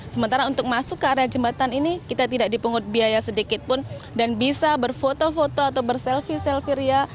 karena untuk masuk ke area jembatan ini kita tidak dipungut biaya sedikit pun dan bisa berfoto foto atau berselfie selfie ria